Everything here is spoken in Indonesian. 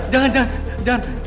jangan jangan jangan